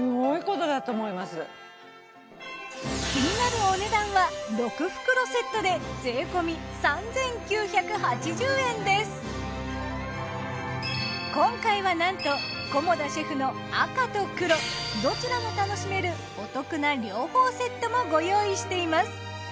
気になるお値段は６袋セットで今回はなんと菰田シェフの赤と黒どちらも楽しめるお得な両方セットもご用意しています。